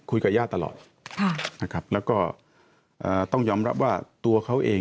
คุยกับย่าตลอดค่ะนะครับแล้วก็ต้องยอมรับว่าตัวเขาเอง